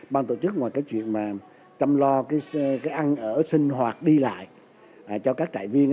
ban tổ chức ngoài cái chuyện mà chăm lo cái ăn ở sinh hoạt đi lại cho các trại viên